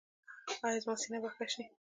ایا زما سینه به ښه شي؟